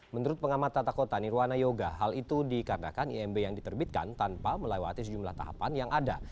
menurut pengamat tata kota nirwana yoga hal itu dikarenakan imb yang diterbitkan tanpa melewati sejumlah tahapan yang ada